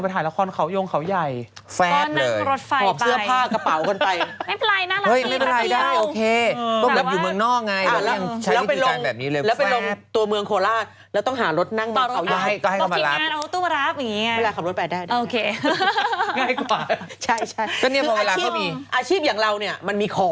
ตรงไหนที่ดอนเมืองยังไม่แซม